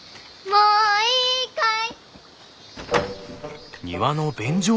もういいかい？